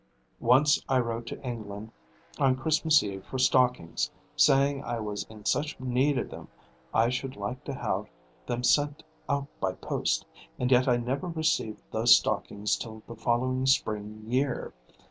Once I wrote to England on Christmas Eve for stockings, saying I was in such need of them I should like to have them sent out by post; and yet I never received those stockings till the following spring year.